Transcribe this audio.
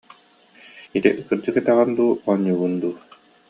Ити кырдьык этэҕин дуу, оонньуугун дуу